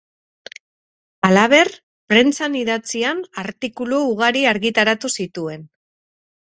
Halaber, prentsan idatzian artikulu ugari argitaratu zituen.